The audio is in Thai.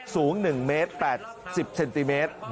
สูง๑เมตร๘๐เซนติเมตร